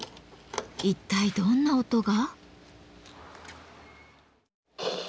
一体どんな音が？